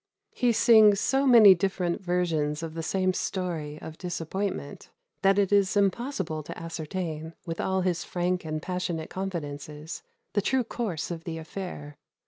He sings so many different versions of the same story of disappointment, that it is impossible to ascertain, with all his frank and passionate confidences, the true course of the affair.